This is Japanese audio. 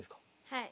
はい。